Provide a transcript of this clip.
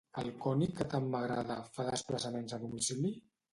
El König que tant m'agrada fa desplaçaments a domicili?